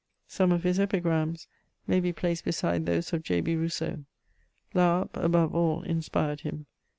Some of his epigrams may be placed beside those of J. B. Rousseau : Laharpe above all inspired him.